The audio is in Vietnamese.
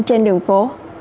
trên đường phố